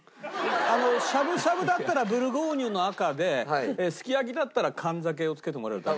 あのしゃぶしゃぶだったらブルゴーニュの赤ですき焼きだったら燗酒をつけてもらえると。